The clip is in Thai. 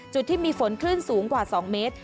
จุดที่มีฝนคลื่นสูงกว่า๒เมตร